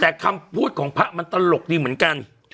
แต่คำพูดของพระมันตลกดีเหมือนกัน